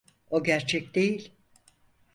O gerçek değil.